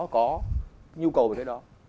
có nhu cầu như thế đó